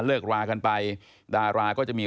เลิกรากันไปดาราก็จะมี